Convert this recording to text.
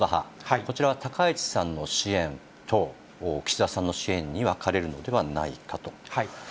こちらは高市さんの支援と、岸田さんの支援に分かれるのではないかと。